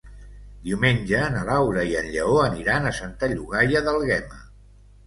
Diumenge na Laura i en Lleó aniran a Santa Llogaia d'Àlguema.